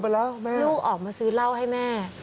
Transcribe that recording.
แม่ลูกออกมาซื้อเหล้าให้แม่